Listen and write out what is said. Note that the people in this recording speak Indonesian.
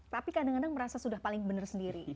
tapi kadang kadang merasa sudah paling benar sendiri